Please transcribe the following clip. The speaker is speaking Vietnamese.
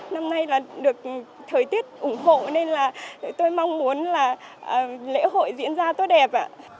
năm nay là được thời tiết ủng hộ nên là tôi mong muốn là lễ hội diễn ra tốt đẹp ạ